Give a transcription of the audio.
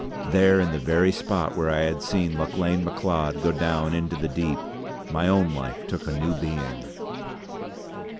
There, in the very spot where I had seen Lauchlane Macleod go down into the deep, my own life took a new being.